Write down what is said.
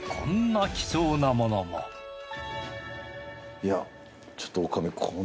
いやちょっと女将。